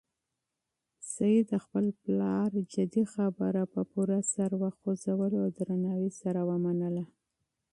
سعید د خپل پلار جدي خبره په پوره سر خوځولو او درناوي سره ومنله.